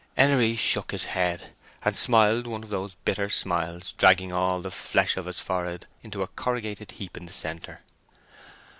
Henery shook his head, and smiled one of the bitter smiles, dragging all the flesh of his forehead into a corrugated heap in the centre.